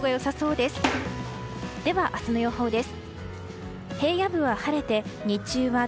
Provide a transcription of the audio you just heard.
では明日の予報です。